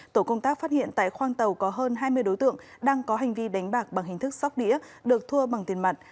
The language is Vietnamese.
tổ công tác phát hiện tại khoang tàu có hơn hai mươi đối tượng đang có hành vi đánh bạc bằng hình thức sóc đĩa được thua bằng tiền mặt